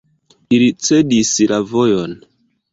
Ili cedis la vojon.